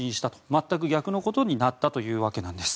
全く逆ことになったというわけなんです。